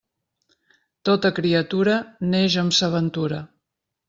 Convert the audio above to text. Tota criatura neix amb sa ventura.